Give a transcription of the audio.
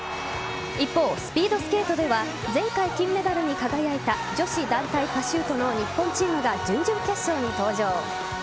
一方、スピードスケートでは前回、金メダルに輝いた女子団体パシュートの日本チームが準々決勝に登場。